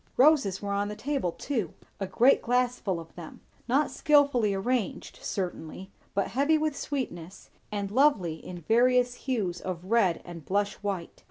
Roses were on the table too; a great glass full of them; not skilfully arranged, certainly, but heavy with sweetness and lovely in various hues of red and blush white.